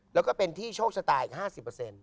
แล้วก็เป็นที่โชคชะตาอีก๕๐